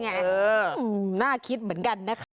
นั่นไงน่าคิดเหมือนกันนะครับ